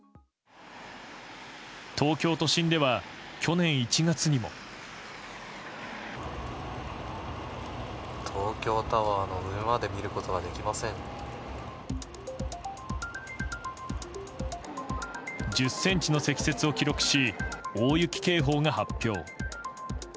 東京都心では去年１月にも。１０ｃｍの積雪を記録し大雪警報が発表。